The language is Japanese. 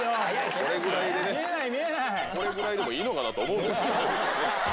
これぐらいでもいいのかなと思うんですけどね。